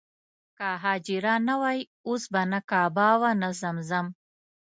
که حاجره نه وای اوس به نه کعبه وه نه زمزم.